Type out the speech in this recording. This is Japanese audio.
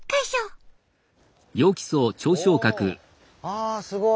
あすごい。